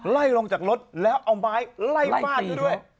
ไล่ลงจากรถแล้วเอาบ้ายไล่บ้านด้วย